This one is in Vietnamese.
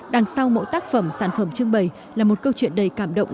đằng sau mỗi tác phẩm sản phẩm trưng bày là một câu chuyện đầy cảm động